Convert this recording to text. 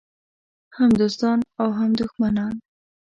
هم دوستان او هم دښمنان.